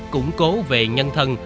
củng cố về nhân thân